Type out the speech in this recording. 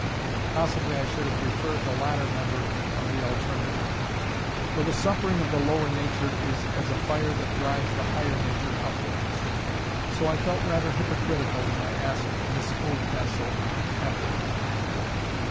Possibly I should have preferred the latter member of the alternative; for the suffering of the lower nature is as a fire that drives the higher nature upwards. So I felt rather hypocritical when I asked Miss Oldcastle after her.